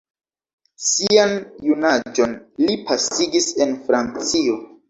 Sian junaĝon li pasigis en Francio.